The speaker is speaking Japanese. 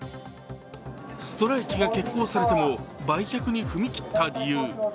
ストライキが決行されても売却に踏み切った理由。